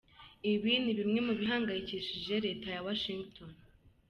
Ibi ni bimwe mu bihangayikishije leta ya Washingiton.